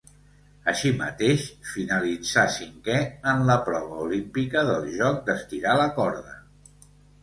Així mateix finalitzà cinquè en la prova olímpica del joc d'estirar la corda.